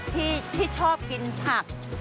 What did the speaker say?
ที่ชอบกินผัก